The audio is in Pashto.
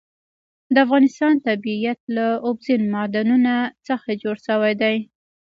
د افغانستان طبیعت له اوبزین معدنونه څخه جوړ شوی دی.